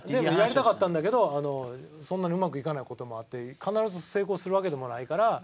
やりたかったんだけどそんなにうまくいかない事もあって必ず成功するわけでもないから。